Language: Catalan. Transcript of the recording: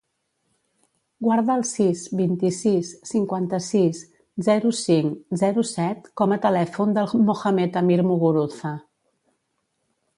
Guarda el sis, vint-i-sis, cinquanta-sis, zero, cinc, zero, set com a telèfon del Mohamed amir Muguruza.